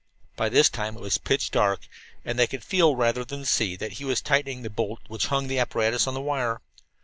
By this time it was pitch dark, and they could feel, rather than see, that he was tightening the bolt which hung the apparatus on the wire.